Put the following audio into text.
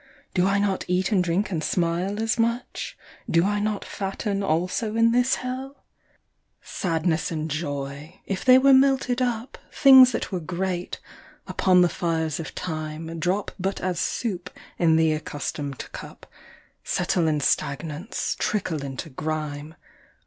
Do I not eat and drink and smile as much ? Do I not fatten also in this hell ? Sadness and joy — if they were melted up, Things that were great — upon the fires of time Drop but as soup in the accustomed cup, Settle in stagnance, trickle into grime.